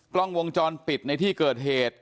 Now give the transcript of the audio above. กล้องวงจรปิดในที่เกิดเหตุ